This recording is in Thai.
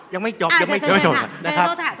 ยังไม่จบยังไม่จบ